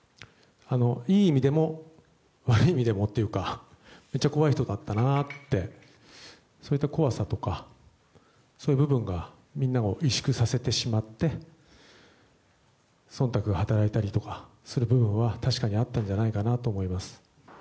いい意味でも悪い意味でもっていうか、めっちゃ怖い人だったなって、そういった怖さとか、そういう部分がみんなを委縮させてしまって、そんたくが働いたりする部分とかは、確かにあったんじゃないかなとは思います。